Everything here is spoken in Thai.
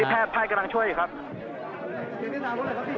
พยาบาลกำลังช่วยหรือครับ